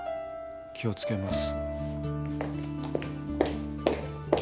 気を付けます。